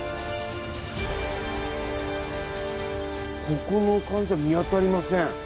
ここの感じは見当たりません。